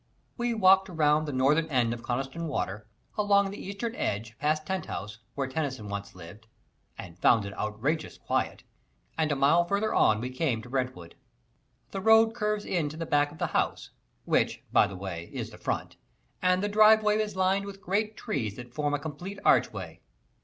We walked around the northern end of Coniston Water, along the eastern edge, past Tent House, where Tennyson once lived (and found it "outrageous quiet"), and a mile farther on we came to Brantwood. The road curves in to the back of the house which, by the way, is the front and the driveway is lined with great trees that form a complete archway.